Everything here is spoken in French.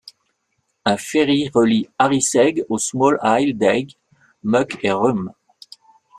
Un ferry relie Arisaig aux Small Isles d'Eigg, Muck et Rùm.